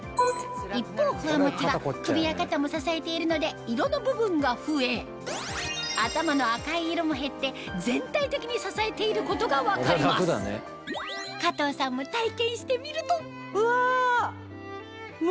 一方ＦｕｗａＭｏｃｈｉは首や肩も支えているので色の部分が増え頭の赤い色も減って全体的に支えていることが分かります加藤さんも体験してみるとうわ！